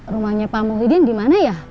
rumahnya pak muhyiddin dimana ya